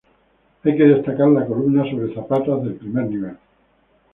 Hay que destacar las columnas sobre zapatas del primer nivel.